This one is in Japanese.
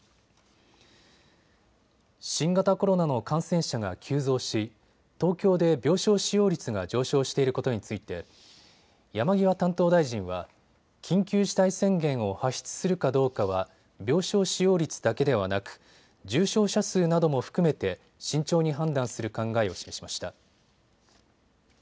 新型コロナの感染者が急増し東京で病床使用率が上昇していることについて山際担当大臣は緊急事態宣言を発出するかどうかは病床使用率だけではなく重症者数なども含めて慎重に判断する考えを示しました。